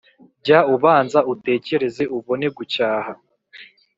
jya ubanza utekereze, ubone gucyaha